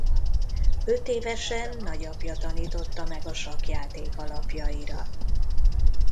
Ötévesen nagyapja tanította meg a sakkjáték alapjaira.